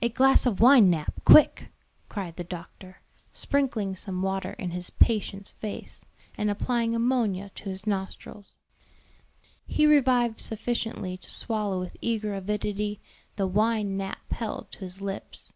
"A glass of wine, Nap, quick!" cried the doctor, sprinkling some water in his patient's face, and applying ammonia to his nostrils. He revived sufficiently to swallow with eager avidity the wine Nap held to his lips.